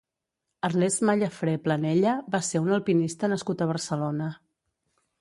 Ernest Mallafré Planella va ser un alpinista nascut a Barcelona.